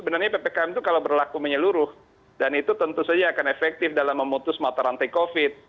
sebenarnya ppkm itu kalau berlaku menyeluruh dan itu tentu saja akan efektif dalam memutus mata rantai covid